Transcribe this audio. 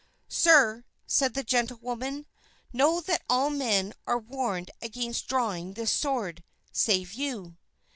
"Sir," said the gentlewoman, "know that all men are warned against drawing this sword, save you."